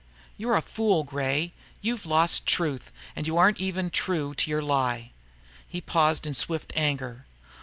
"You're a fool, Gray. You've lost truth and you aren't even true to your lie." He paused, in swift anger.